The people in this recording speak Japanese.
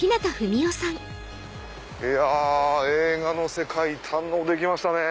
いや映画の世界堪能できましたね。